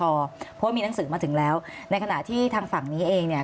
เพราะว่ามีหนังสือมาถึงแล้วในขณะที่ทางฝั่งนี้เองเนี่ย